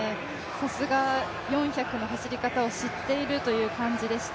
さすが４００の走り方を知っているという感じでした。